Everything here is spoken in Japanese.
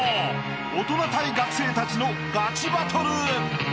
大人対学生たちのガチバトル］